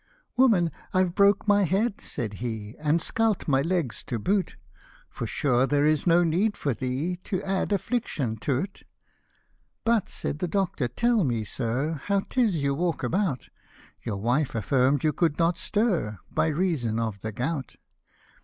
" Woman, I've broke my head," said he, And scalt my legs to boot ; So sure there is no need for thee To add affliction to' t." " But," said the doctor, f< tell me, sir, How 'tis you walk about ; Your wife affirm'd you could not stir, By reason of the gout."